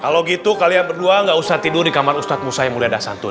kalau gitu kalian berdua gak usah tidur di kamar ustadz musa yang mulia dan santun